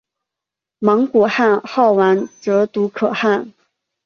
蒙古汗号完泽笃可汗。